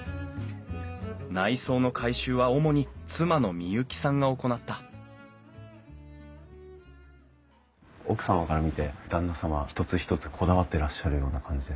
内装の改修は主に妻の美雪さんが行った奥様から見て旦那様は一つ一つこだわってらっしゃるような感じですか？